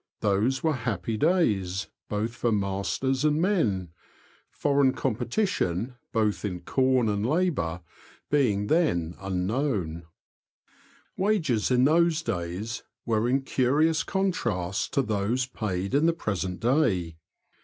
Those were happy days, both for masters and men, foreign competition, both in corn and labour, being then unknown. R 242 THE LAND OF THE BROADS. Wages in those days were in curious contrast to those paid in the present day.